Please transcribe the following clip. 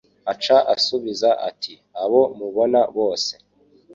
Aca asubiza ati Abo mubona bose